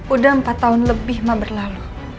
udah empat tahun lebih mah berlalu